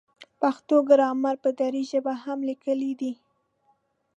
پښتو ګرامر په دري ژبه هم لیکلی دی.